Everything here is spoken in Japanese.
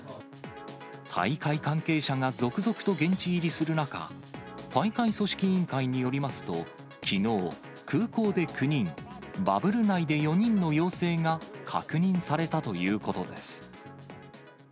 大会関係者が続々と現地入りする中、大会組織委員会によりますと、きのう、空港で９人、バブル内で４人の陽性が確認されたということです。